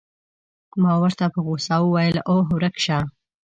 ما ورته په غوسه وویل: اوه، ورک شه.